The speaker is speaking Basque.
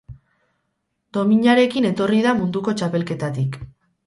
Dominarekin etorri da munduko txapelketatik.